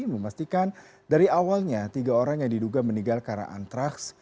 memastikan dari awalnya tiga orang yang diduga meninggal karena antraks